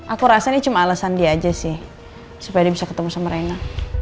aku rasa ini cuma alasan dia aja sih supaya dia bisa ketemu sama mereka